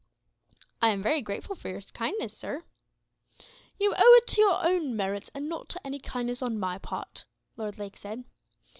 "I am very grateful for your kindness, sir." "You owe it to your own merits, and not to any kindness on my part," Lord Lake said.